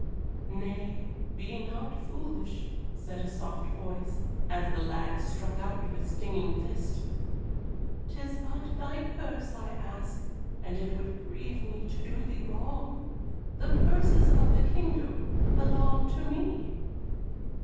"Nay, be not foolish," said a soft voice, as the lad struck out with stinging fist; "'tis but thy purse I ask, and it would grieve me to do thee wrong. The purses of the kingdom belong to me."